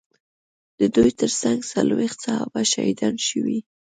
د دوی ترڅنګ څلوېښت صحابه شهیدان شوي.